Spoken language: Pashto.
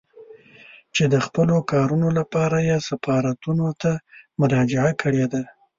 چې د خپلو کارونو لپاره يې سفارتونو ته مراجعه کړې ده.